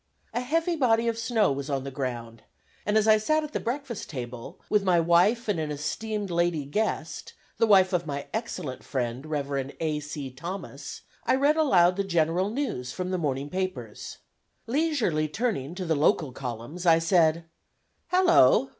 A heavy body of snow was on the ground, and as I sat at the breakfast table with my wife and an esteemed lady guest, the wife of my excellent friend Rev. A. C. Thomas, I read aloud the general news from the morning papers. Leisurely turning to the local columns, I said, "Hallo!